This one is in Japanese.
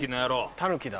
タヌキだ。